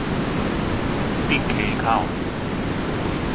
竹坑口